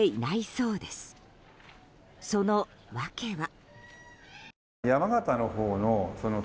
その訳は。